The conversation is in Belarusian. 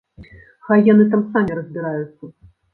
Хай яны там самі разбіраюцца.